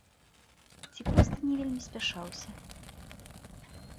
Ці проста не вельмі спяшаўся.